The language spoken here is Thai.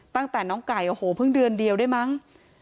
ตั้งแต่น้องไก่โอ้โหเพิ่งเดือนเดียวได้มั้ง